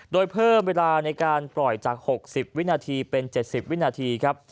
โดยเพิ่มเวลาในการปล่อยจาก๖๐วินาทีเป็น๗๐วินาทีครับ